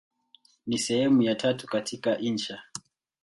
Hii ni sehemu ya tatu katika insha.